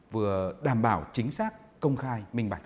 vừa đảm bảo chính xác công khai minh bạch